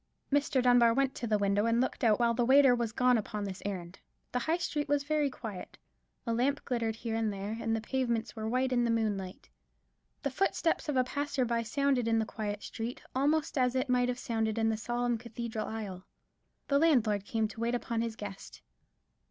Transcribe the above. Mr. Dunbar went to the window and looked out while the waiter was gone upon this errand. The High Street was very quiet, a lamp glimmered here and there, and the pavements were white in the moonlight. The footstep of a passer by sounded in the quiet street almost as it might have sounded in the solemn cathedral aisle. The landlord came to wait upon his guest.